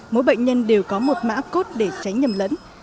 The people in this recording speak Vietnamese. mỗi bệnh nhân đều có một mã cốt để tránh nhầm lẫn